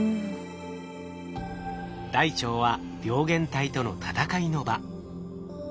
大腸は病原体との闘いの場。